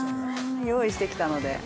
用意してきたので。